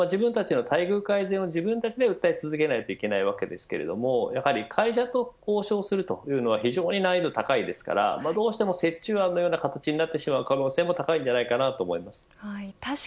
働く人は自分たちの待遇改善を自分たちで訴え続けないといけないわけですけども会社と交渉するというのは非常に難易度が高いですからどうしても折衷案という形になってしまう可能性も高いと思います。